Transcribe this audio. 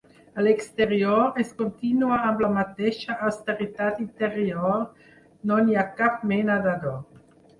A l'exterior, es continua amb la mateixa austeritat interior, no hi ha cap mena d'adorn.